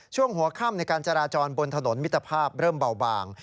ช่วงหัวค่ำในการจราจรบนถนนมิตรภาพเริ่มเบาบาง